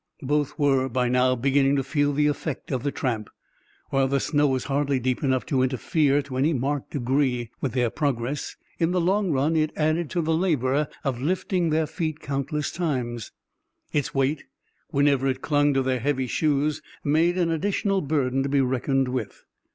Both were by now beginning to feel the effect of the tramp. While the snow was hardly deep enough to interfere to any marked degree with their progress, in the long run it added to the labor of lifting their feet countless times. Its weight, whenever it clung to their heavy shoes, made an additional burden to be reckoned with.